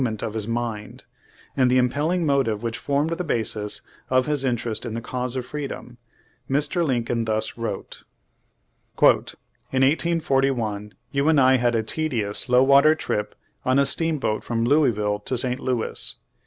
ent of his mind, and the impelling motive which formed Page Thirty one the basis of his interest in the cause of freedom. iVIr. Lincoln thus wrote : "In 1841 you and I had a tedious low water trip on a steamboat from Louisville to St. Louis.